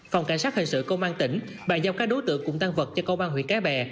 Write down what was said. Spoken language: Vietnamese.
phòng cảnh sát hình sự công an tỉnh bàn giao các đối tượng cùng tăng vật cho công an huyện cái bè